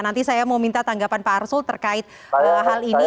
nanti saya mau minta tanggapan pak arsul terkait hal ini